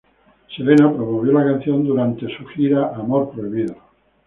Selena promovió la canción durante su Amor Prohibido Tour.